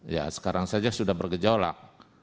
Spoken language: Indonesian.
ya sekarang saja sudah bergejolak